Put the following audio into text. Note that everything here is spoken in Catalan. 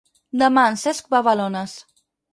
Demà en Cesc va a Balones.